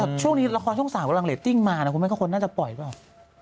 แต่ช่วงนี้ละครช่อง๓กำลังเรตติ้งมานะคุณแม่ก็คนน่าจะปล่อยเปล่า